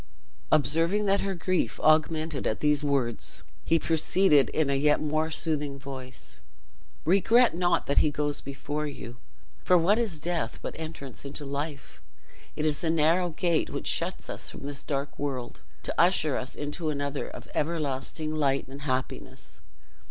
Observing that her grief augmented at these words, he proceeded in a yet more soothing voice: "Regret not that he goes before you, for what is death but entrance into life? It is the narrow gate, which shuts us from this dark world, to usher us into another, of everlasting light and happiness.